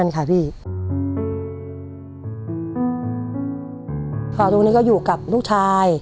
ตรงนี้ก็อยู่กับลูกชาย